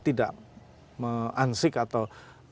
tidak ansik atau